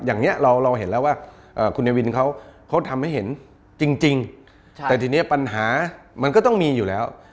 อย่างนี้เราเห็นแล้วว่าคุณเนวินเขาทำให้เห็นจริงแต่ทีนี้ปัญหามันก็ต้องมีอยู่แล้ว